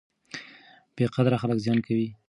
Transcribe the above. بې قدره خلک زیان کوي.